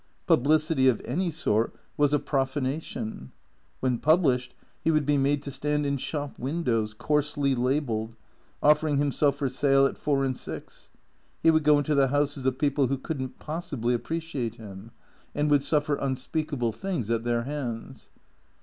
Publicity of any sort was a profanation. Whejn published he would be made to stand in shop windows coarsely labelled, offering himself for sale at four and six ; he would go into the houses of people who could n't possibly appreciate him, 140 THE CREATORS 141 and would suffer unspeakable things at their hands.